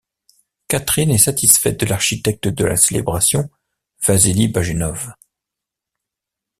Catherine est satisfaite de l'architecte de la célébration, Vassili Bajenov.